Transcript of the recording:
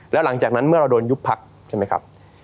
แล้วหลังจากนั้นเมื่อเราโดนยุบพักใช่ไหมครับ